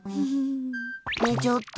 ねえ、ちょっと！